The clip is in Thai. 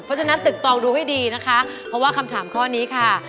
เพราะฉะนั้นตึกตองดูให้ดีนะคะเพราะว่าคำถามข้อนี้ค่ะ